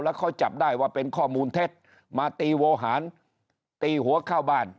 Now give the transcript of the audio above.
แล้วเขาจับได้ว่าเป็นข้อมูลเท็จมาตีโวหารตีหัวเข้าบ้าน